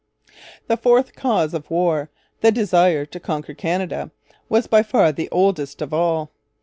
The fourth cause of war, the desire to conquer Canada, was by far the oldest of all.